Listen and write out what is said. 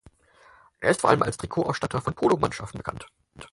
Er ist vor allem als Trikot-Ausstatter von Polo-Mannschaften bekannt.